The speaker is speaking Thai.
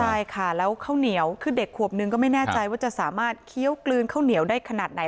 ใช่ค่ะแล้วข้าวเหนียวคือเด็กขวบนึงก็ไม่แน่ใจว่าจะสามารถเคี้ยวกลืนข้าวเหนียวได้ขนาดไหน